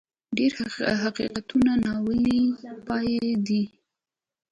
ډېر حقیقتونه ناویلي پاتې دي.